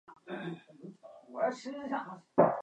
西魏废。